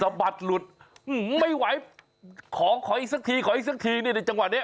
บัดหลุดไม่ไหวขอขออีกสักทีขออีกสักทีนี่ในจังหวะนี้